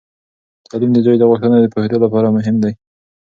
تعلیم د زوی د غوښتنو د پوهیدو لپاره مهم دی.